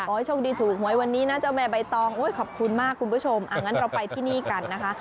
โชคดีถูกหวยวันนี้นะเจ้าแม่ใบตองโอ้ยขอบคุณมากคุณผู้ชมอ่างั้นเราไปที่นี่กันนะคะ